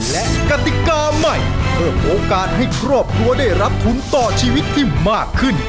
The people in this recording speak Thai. และกติกาใหม่เพิ่มโอกาสให้ครอบครัวได้รับทุนต่อชีวิตที่มากขึ้น